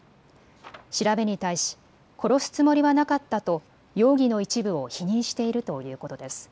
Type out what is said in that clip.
調べに対し殺すつもりはなかったと容疑の一部を否認しているということです。